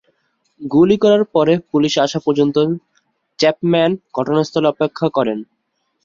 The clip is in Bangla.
গুলি করার পরে পুলিশ আসা পর্যন্ত চ্যাপম্যান ঘটনাস্থলে অপেক্ষা করেন।